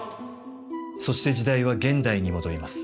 そして時代は現代に戻ります。